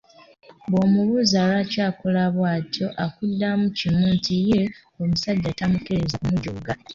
Bw'omubuuza lwaki akola bw'atyo akuddamu kimu nti ye omusajja tamukkiriza kumujooga.